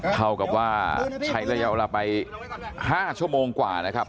เท่ากับว่าใช้ระยะเวลาไป๕ชั่วโมงกว่านะครับ